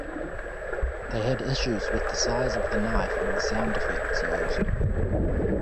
They had issues with the size of the knife and the sound effects used.